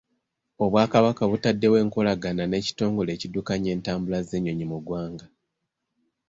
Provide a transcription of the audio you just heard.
Obwakabaka butaddewo enkolagana n'ekitongole ekiddukanya entambula z'ennyonyi mu ggwanga.